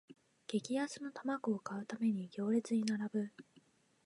激安の玉子を買うために行列に並ぶ